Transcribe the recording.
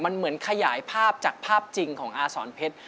มันเหมือนขยายภาพจากภาพจริงของอาสอนเพชร